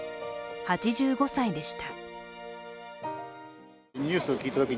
８５歳でした。